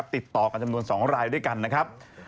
ติดต่อกันจำนวน๒รายด้วยกันนะครับ